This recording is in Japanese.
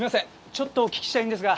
ちょっとお聞きしたいんですが。